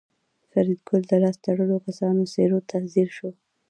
فریدګل د لاس تړلو کسانو څېرو ته ځیر شو